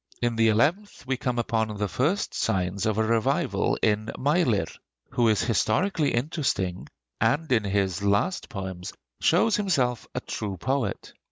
In the eleventh we come upon the first signs of a revival in Meilir, who is historically interesting, and in his last poems shows himself a true poet.